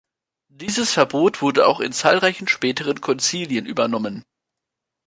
Dieses Verbot wurde auch in zahlreichen späteren Konzilien übernommen.